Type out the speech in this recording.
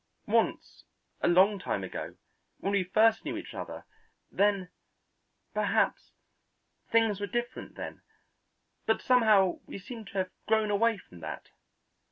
Once a long time ago when we first knew each other, then, perhaps things were different then. But somehow we seem to have grown away from that.